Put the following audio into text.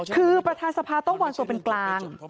คือกฎภาพต้องว่ามจบเป็นกลาง